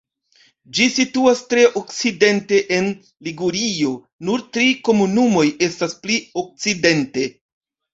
Ĝi situas tre okcidente en Ligurio; nur tri komunumoj estas pli okcidente.